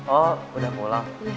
oh udah pulang